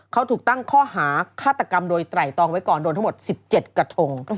เขาถูกตั้งข้อหาฆาตกรรมโดยไตรตองไว้ก่อนโดนทั้งหมด๑๗กระทง